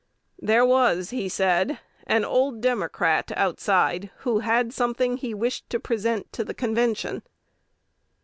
"There was," he said, "an old Democrat outside who had something he wished to present to this Convention."